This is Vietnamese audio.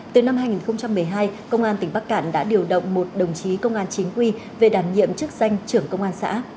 từ năm hai nghìn một mươi hai công an tỉnh bắc cạn đã điều động một đồng chí công an chính quy về đảm nhiệm chức danh trưởng công an xã